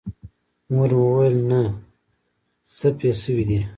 مور مې وويل نه څه پې سوي دي.